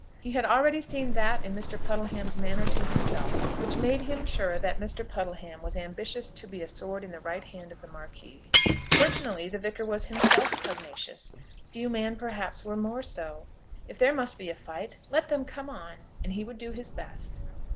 He had already seen that in Mr. Puddleham's manner to himself which made him sure that Mr. Puddleham was ambitious to be a sword in the right hand of the Marquis. Personally the Vicar was himself pugnacious. Few men, perhaps, were more so. If there must be a fight let them come on, and he would do his best.